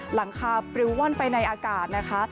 หลังคาปริวว่อนไปในอากาศนะคะ